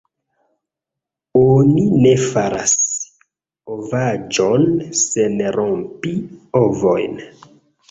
Oni ne faras ovaĵon sen rompi ovojn!